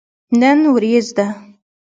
نن وريځ ده